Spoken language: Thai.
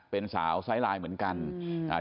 เป็นสาวไซส์ไลน์เหมือนกัน